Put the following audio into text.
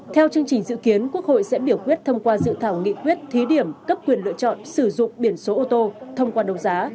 theo chương trình dự kiến quốc hội sẽ biểu quyết thông qua dự thảo nghị quyết thí điểm cấp quyền lựa chọn sử dụng biển số ô tô thông qua đấu giá